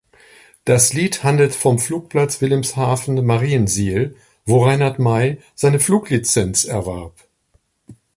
Das Lied handelt vom Flugplatz Wilhelmshaven-Mariensiel, wo Reinhard Mey seine Fluglizenz erwarb.